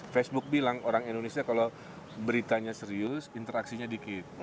facebook bilang orang indonesia kalau beritanya serius interaksinya dikit